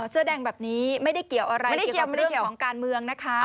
เสื้อแดงแบบนี้ไม่ได้เกี่ยวอะไรเกี่ยวกับเรื่องของการเมืองนะคะ